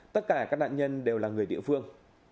tất cả các nạn nhân đều là người địa phương